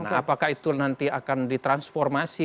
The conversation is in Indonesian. apakah itu nanti akan ditransformasi